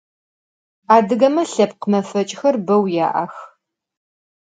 Adıgeme lhepkh mefeç'xer beu ya'ex.